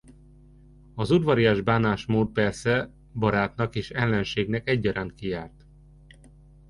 Az udvarias bánásmód persze barátnak és ellenségnek egyaránt kijárt.